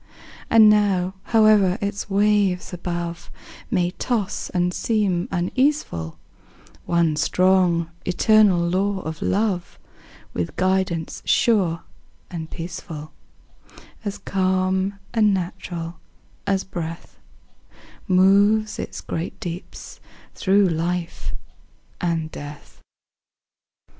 And now, howe'er its waves above May toss and seem uneaseful, One strong, eternal law of Love, With guidance sure and peaceful, As calm and natural as breath, Moves its great deeps through life and death.